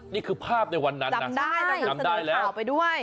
นี่คือภาพในวันนั้นจำได้จำได้แล้วข่าวไปด้วย